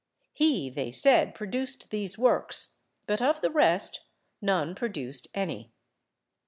He, they said, produced these works, but of the rest none produced any.